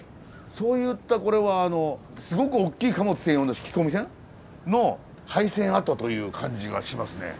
そういったこれはあのすごく大きい貨物専用の引き込み線の廃線跡という感じがしますね。